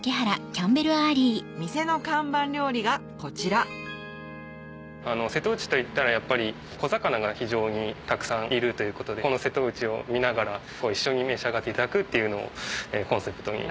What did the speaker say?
店の看板料理がこちら瀬戸内といったらやっぱり小魚が非常にたくさんいるということでこの瀬戸内を見ながら一緒に召し上がっていただくっていうのをコンセプトに。